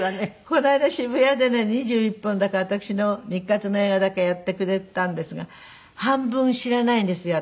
この間渋谷でね２１本だか私の日活の映画だけやってくれていたんですが半分知らないんですよ